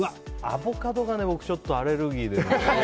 アボカドが僕、ちょっとアレルギーでね。